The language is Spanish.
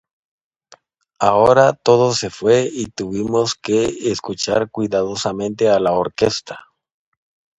Ahora todo se fue y tuvimos que escuchar cuidadosamente a la orquesta.